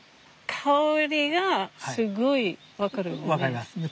香りがすごい分かるよね。